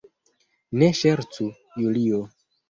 Ne ŝercu, Julio.